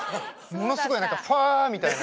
ものすごいファーみたいな。